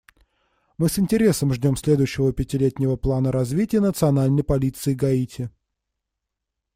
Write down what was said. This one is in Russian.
Мы с интересом ждем следующего пятилетнего плана развития Национальной полиции Гаити.